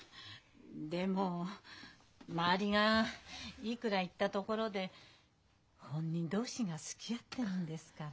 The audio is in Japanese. でも周りがいくら言ったところで本人同士が好き合ってるんですから。